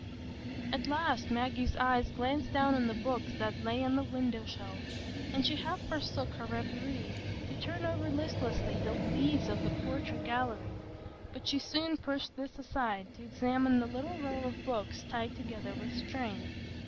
At last Maggie's eyes glanced down on the books that lay on the window shelf, and she half forsook her reverie to turn over listlessly the leaves of the "Portrait Gallery," but she soon pushed this aside to examine the little row of books tied together with string.